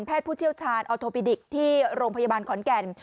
ผู้เชี่ยวชาญออโทปิดิกที่โรงพยาบาลขอนแก่น